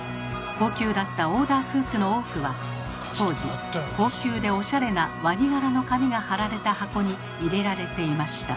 高級だったオーダースーツの多くは当時高級でオシャレなワニ柄の紙が貼られた箱に入れられていました。